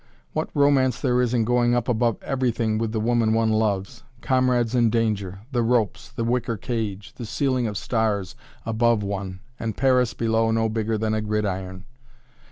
What romance there is in going up above everything with the woman one loves comrades in danger the ropes the wicker cage the ceiling of stars above one and Paris below no bigger than a gridiron!